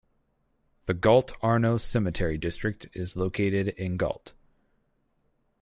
The Galt Arno Cemetery District is located in Galt.